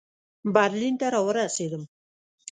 برلین ته را ورسېدم.